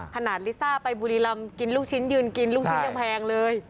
ลิซ่าไปบุรีรำกินลูกชิ้นยืนกินลูกชิ้นยังแพงเลย